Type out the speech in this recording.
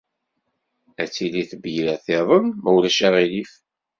Ad tili tebyirt-iḍen ma ulac aɣilif?